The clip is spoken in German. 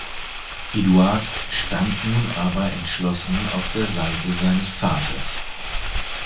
Eduard stand nun aber entschlossen auf der Seite seines Vaters.